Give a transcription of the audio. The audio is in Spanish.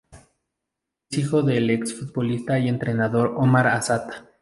Es hijo del ex futbolista y entrenador Omar Asad.